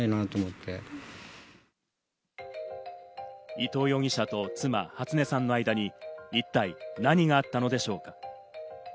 伊藤容疑者と妻・初音さんの間に一体何があったのでしょうか？